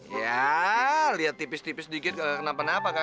ya liat tipis tipis dikit gak kena penapa kan